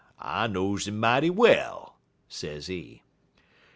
I knows 'im mighty well,' sezee.